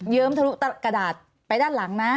เยิ้มทะรุกระดาษไปด้านหลังนะ